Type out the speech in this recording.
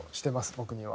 僕には。